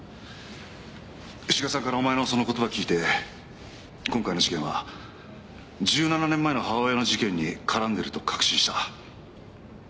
志賀さんからお前のその言葉を聞いて今回の事件は１７年前の母親の事件に絡んでいると確信した。